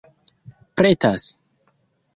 pretas